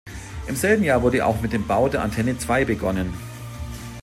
Im selben Jahr wurde auch mit dem Bau der Antenne zwei begonnen.